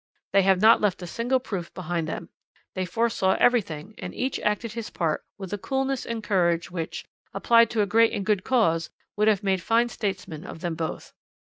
They have not left a single proof behind them; they foresaw everything, and each acted his part with a coolness and courage which, applied to a great and good cause, would have made fine statesmen of them both.